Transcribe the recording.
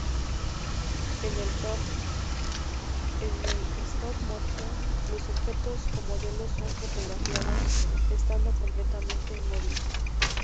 En el "stop motion" los objetos o modelos son fotografiados estando completamente inmóviles.